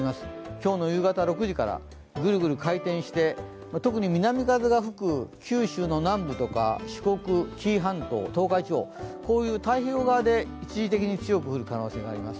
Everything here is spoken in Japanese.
今日の夕方６時から、ぐるぐる回転して、特に南風が吹く九州南部とか四国、紀伊半島、東海地方、太平洋側で一時的に強く降る可能性があります。